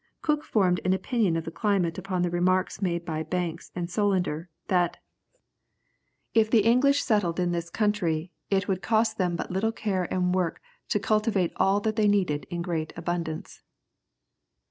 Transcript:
Cook formed an opinion of the climate upon the remarks made by Banks and Solander, that, "If the English settled in this country, it would cost them but little care and work to cultivate all that they needed in great abundance."